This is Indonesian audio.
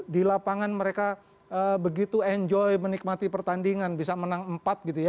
di lapangan mereka begitu enjoy menikmati pertandingan bisa menang empat gitu ya